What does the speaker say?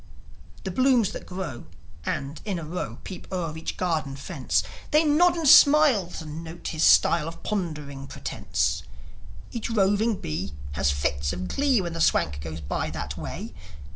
The blooms that grow, and, in a row, Peep o'er each garden fence, They nod and smile to note his style Of ponderous pretence; Each roving bee has fits of glee When the Swank goes by that way.